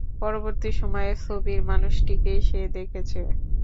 পরবর্তী সময়ে ছবির মানুষটিকেই সে দেখেছে।